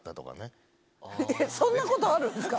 そんなことあるんですか？